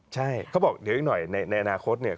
ใช่เขาบอกเดี๋ยวอีกหน่อยในอนาคตเนี่ย